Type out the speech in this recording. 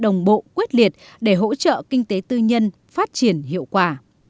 đồng bộ quyết liệt để hỗ trợ kinh tế tư nhân phát triển hiệu quả